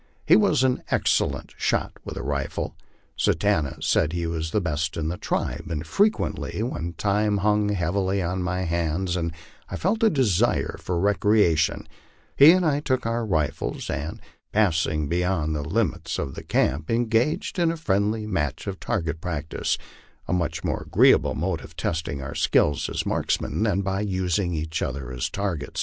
He was an excellent shot with the rifle. Satanta said he was the best in the tribe, and frequently, when time hung heavily on my hands, and I felt a desire for recreation, he and I took our rifles, and, after pass ing beyond the limits of camp, engaged in a friendly match at target prac tice, a much more agreeable mode of testing our skill as marksmen than by using each other as a target.